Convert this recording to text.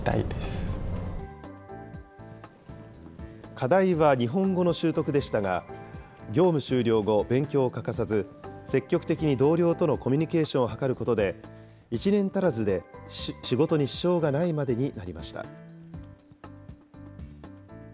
課題は日本語の習得でしたが、業務終了後、勉強を欠かさず、積極的に同僚とのコミュニケーションを図ることで、１年足らずで仕事に支障がないまでになりました。